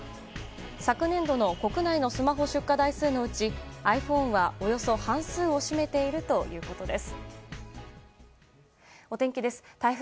昨年度の国内のスマホ出荷委台数のうちｉＰｈｏｎｅはおよそ半数を占めているということです。